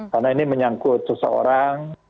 karena ini menyangkut seseorang